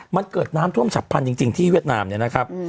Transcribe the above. มันเกิดน้ำท่วมฉับพันธุ์จริงที่เวียดนามเนี่ยนะครับ